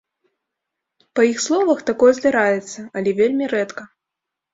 Па іх словах, такое здараецца, але вельмі рэдка.